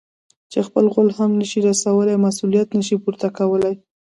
چې خپل غول هم نه شي رسولاى؛ مسؤلیت نه شي پورته کولای.